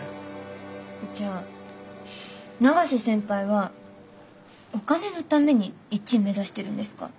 じゃあ永瀬先輩はお金のために１位目指してるんですか？